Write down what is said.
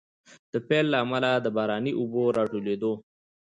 د پيل له امله، د باراني اوبو د راټولېدو